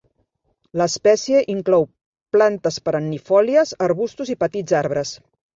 L'espècie inclou plantes perennifòlies, arbustos i petits arbres.